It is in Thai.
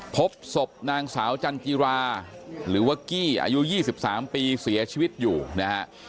พบศพนางสาวจันจิราหรือว่ากี้อายุ๒๓ปีเสียชีวิตอยู่นะฮะ